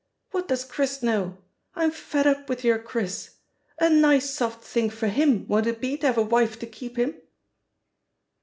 What does Chris know? I'm fed up with your Chris. A nice soft thing for him, won't it be, to have a wife to keep him?"